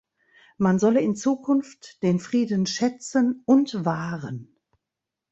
Man solle in Zukunft den Frieden schätzen und wahren.